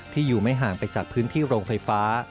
อยู่ไม่ห่างไปจากพื้นที่โรงไฟฟ้า